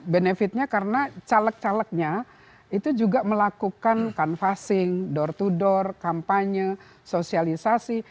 benefit nya karena caleg calegnya itu juga melakukan canvassing door to door kampanye sosialisasi